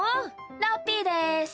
ラッピーです！